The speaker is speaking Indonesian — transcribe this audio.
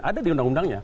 ada di undang undangnya